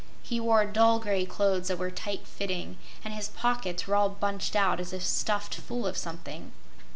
He wore dull gray clothes that were tight fitting, and his pockets were all bunched out as if stuffed full of something.